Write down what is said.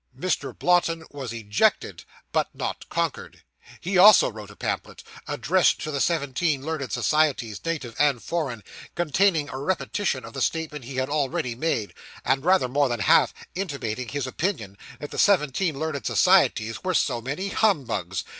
Mr. Blotton was ejected but not conquered. He also wrote a pamphlet, addressed to the seventeen learned societies, native and foreign, containing a repetition of the statement he had already made, and rather more than half intimating his opinion that the seventeen learned societies were so many 'humbugs.